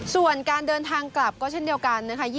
ส่วนการเดินทางกลับก็เช่นเดียวกันนะคะ